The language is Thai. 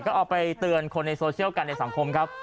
ก็เอาไปเตือนคนในโซเชียลกันในสังคมครับ